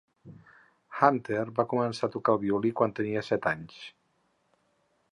Hunter va començar a tocar el violí quan tenia set anys.